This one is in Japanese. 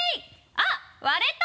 あ、割れた！」